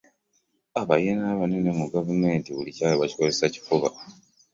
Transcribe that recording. abalina abanene mu gavumenti buli kyabwe bakikoza kifuba.